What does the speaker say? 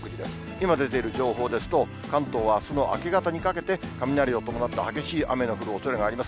今出ている情報ですと、関東はあすの明け方にかけて、雷を伴って激しい雨の降るおそれがあります。